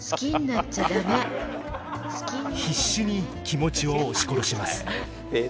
必死に気持ちを押し殺します